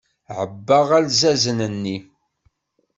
Ɛebbaɣ alzazen-nni.